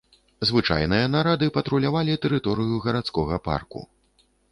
Звычайныя нарады патрулявалі тэрыторыю гарадскога парку.